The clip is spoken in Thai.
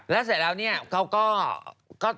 แล้วเสร็จแล้วเนี่ยเขาก็